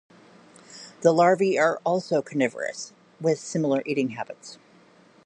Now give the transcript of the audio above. The larvae are also carnivorous with similar eating habits.